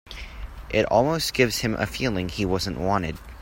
It almost gives him a feeling he wasn't wanted.